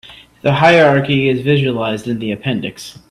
The hierarchy is visualized in the appendix.